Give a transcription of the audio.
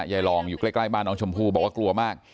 ยายรองอยู่ใกล้บ้านน้องชมพู่บอกว่ากลัวมาก